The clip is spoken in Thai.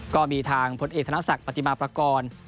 ก็มีทางผลเอกธนศักดิ์ปฏิมาประกอบ